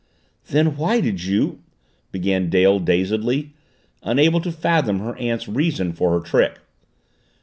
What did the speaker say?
"Then why did you " began Dale dazedly, unable to fathom her aunt's reasons for her trick.